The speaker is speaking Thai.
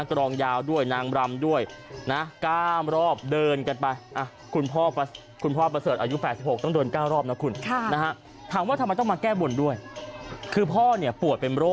กรองยาวด้วยนางรำด้วยนะ